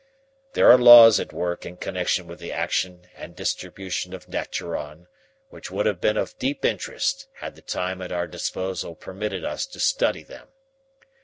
There are laws at work in connection with the action and distribution of daturon which would have been of deep interest had the time at our disposal permitted us to study them.